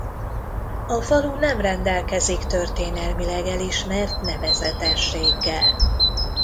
A falu nem rendelkezik történelmileg elismert nevezetességgel.